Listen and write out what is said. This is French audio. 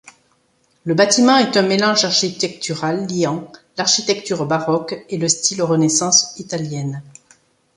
Le bâtiment est un mélange architectural liant l'architecture baroque et le style Renaissance italienne.